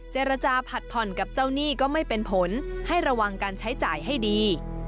เจรจาผัดผ่อนกับเจ้าหนี้ก็ไม่เป็นผลให้ระวังการใช้จ่ายให้ดี